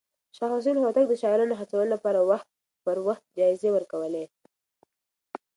شاه حسين هوتک د شاعرانو هڅونې لپاره وخت پر وخت جايزې ورکولې.